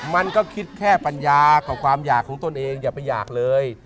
มันก็คิดแค่ปัญญากับความอยากของตนเองอย่าไปอยากเลย